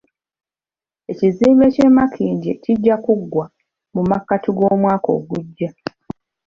Ekizimbe ky'e Makindye kijja kuggwa mu makkati g'omwaka ogujja